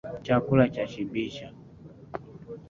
Chakula chashibisha.